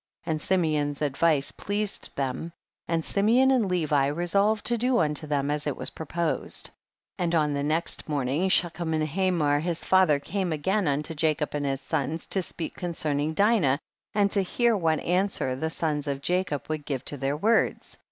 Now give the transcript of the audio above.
39. And Simeon's advice pleased them, and Simeon and Levi resolved to do unto them as it was proposed. 40. And on the next morning She chem and Hamor his father came again unto Jacob and his sons, to speak concerning Dinah, and to hear what answer the sons of Jacob would give to their words.